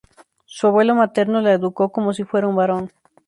Su abuelo materno la educó como si fuera un varón.